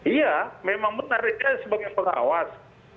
iya memang menariknya sebagai pengawas